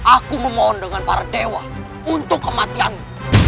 aku memohon dengan para dewa untuk kematianmu